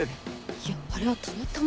いやあれはたまたま。